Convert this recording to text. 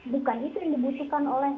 bukan itu yang dibutuhkan oleh